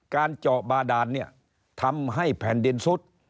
การเจาะบาดาลทำให้แผ่นดินสุฏ